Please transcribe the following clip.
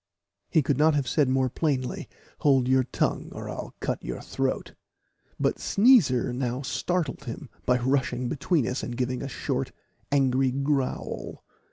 He could not have said more plainly, "Hold your tongue, or I'll cut your throat;" but Sneezer now startled him by rushing between us, and giving a short angry growl.